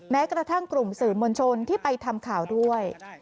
แม้กระทั่งกลุ่มสื่อมวลชนที่ไปทำข่าวด้วย